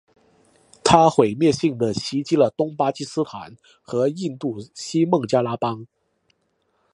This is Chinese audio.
它毁灭性地袭击了东巴基斯坦和印度西孟加拉邦。